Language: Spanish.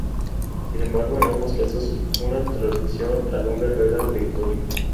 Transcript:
Sin embargo, en ambos casos una traducción al húngaro era obligatoria.